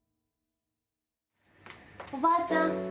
おばあちゃん。